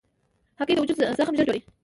هګۍ د وجود زخم ژر جوړوي.